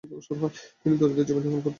তিনি দরিদ্র জীবন যাপন করতেন।